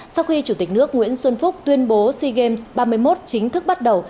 sau khi chủ tịch nước nguyễn xuân phúc tuyên bố sea games ba mươi một chính thức bắt đầu